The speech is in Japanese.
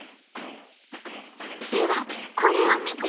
ではこれを見て！